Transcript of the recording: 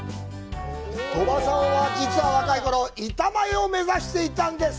鳥羽さんは、実は若いころ板前を目指していたんです。